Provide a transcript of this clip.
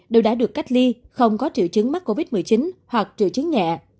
đều đã được cách ly không có triệu chứng mắc covid một mươi chín hoặc triệu chứng nhẹ